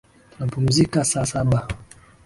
Tutapumzika saa saba